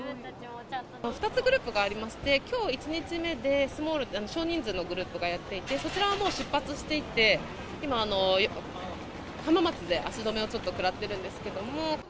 ２つグループがありまして、きょう１日目で、少人数のグループがやっていて、そちらはもう出発していて、今、浜松で足止めをちょっと食らってるんですけれども。